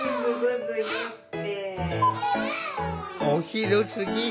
お昼すぎ